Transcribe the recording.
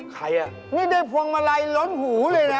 ใครอ่ะนี่ได้พวงมาลัยล้นหูเลยนะ